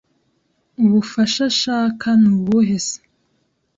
Ubufashashaka nubuhe c?